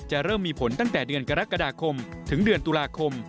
เริ่มมีผลตั้งแต่เดือนกรกฎาคมถึงเดือนตุลาคม